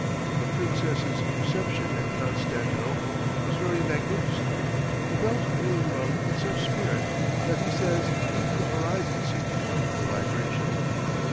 The princess's reception at Constantinople was very magnificent, the bells being rung with such spirit that he says, "even the horizon seemed full of the vibration."